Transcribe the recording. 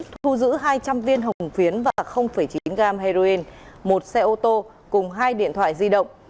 thu giữ hai trăm linh viên hồng phiến và chín gram heroin một xe ô tô cùng hai điện thoại di động